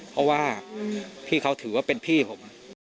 เพราะว่าพี่เขาถือว่าเป็นพี่ผม